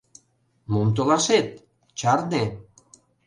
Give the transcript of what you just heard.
Мом толашет, чарне.